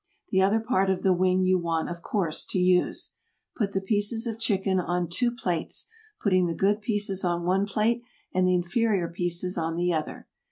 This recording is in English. The other part of the wing you want, of course, to use. Put the pieces of chicken on two plates, putting the good pieces on one plate and the inferior pieces on the other.